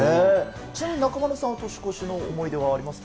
ちなみに中丸さんは年越しの思い出はありますか？